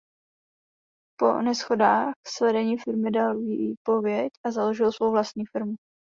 Po neshodách s vedením firmy dal výpověď a založil svou vlastní firmu.